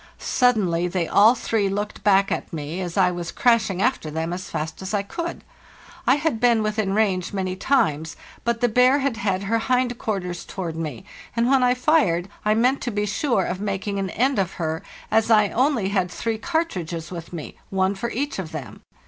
Suddenly they all three looked back at me, as I was crashing after them as fast as I could. I had been within range many times, but the bear had had her hind quarters towards me, and when I fired I meant to be sure of making an end of her, as I only had three cartridges with me, one for each of them.